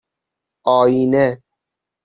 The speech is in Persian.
آئینه